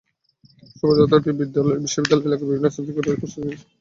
শোভাযাত্রাটি বিশ্ববিদ্যালয় এলাকার বিভিন্ন স্থান ঘুরে রাজু ভাস্কর্যে গিয়ে শেষ হয়।